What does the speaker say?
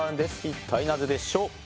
一体なぜでしょう。